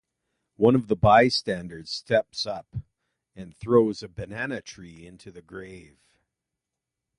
One of the bystanders steps up and throws a banana tree into the grave.